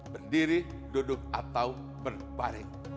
berdiri duduk atau berbaring